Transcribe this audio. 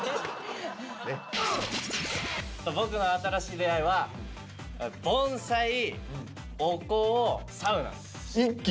僕の新しい出会いは盆栽お香サウナです。